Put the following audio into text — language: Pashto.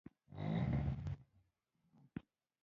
زړه د عشق له اوره ژوندی وي.